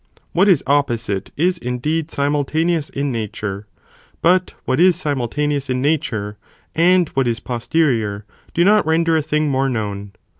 . What is opposite is indeed simultaneous in nature, but what is simultaneous in nature and what is posterior, do not render a thing more known.